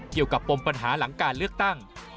เกี่ยวกับปรมปัญหาหลังการเลือกตั้ง